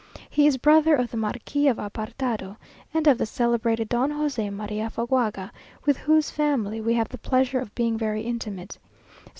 He is brother of the Marquis of Apartado, and of the celebrated Don José María Fagoaga, with whose family we have the pleasure of being very intimate.